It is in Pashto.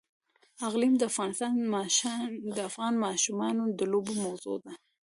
اقلیم د افغان ماشومانو د لوبو موضوع ده.